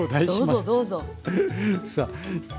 どうぞどうぞ。